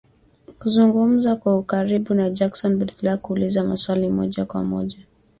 kuzungumza kwa ukaribu na Jackson badala ya kuuliza maswali ya moja kwa moja